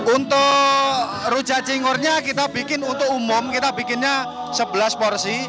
untuk rujak cingurnya kita bikin untuk umum kita bikinnya sebelas porsi